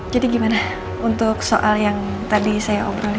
jadi gimana untuk soal yang tadi saya obrolin